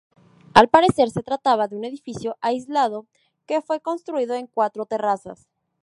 Al parecer, se trataba de un edificio aislado que fue construido en cuatro terrazas.